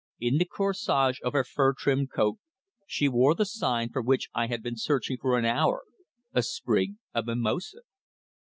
In the corsage of her fur trimmed coat she wore the sign for which I had been searching for an hour a sprig of mimosa!